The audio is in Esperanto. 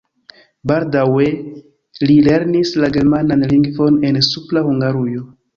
Baldaŭe li lernis la germanan lingvon en Supra Hungarujo.